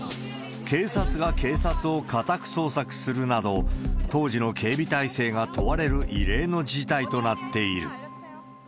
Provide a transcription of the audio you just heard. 警察が警察を家宅捜索するなど、当時の警備態勢が問われる異例の事態となっている。